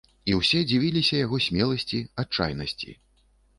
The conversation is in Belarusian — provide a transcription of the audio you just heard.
І ўсе дзівіліся яго смеласці, адчайнасці.